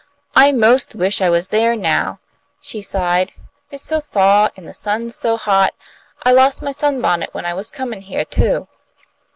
I 'most wish I was there now," she sighed. "It's so fa' an' the sun's so hot. I lost my sunbonnet when I was comin' heah, too."